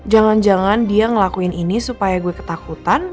jangan jangan dia ngelakuin ini supaya gue ketakutan